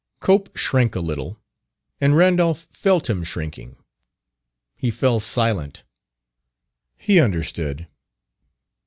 Cope shrank a little, and Randolph felt him shrinking. He fell silent; he understood.